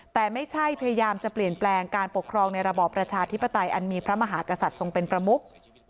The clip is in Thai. แต่ไม่ใช่พยายามจะเปลี่ยนแปลงการปกครองในระบอบประชาธิปไตยอันมีพระมหากษัตริย์ทรงเป็นประมุก